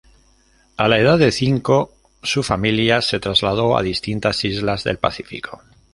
A la edad de cinco, su familia se trasladó a distintas islas del Pacífico.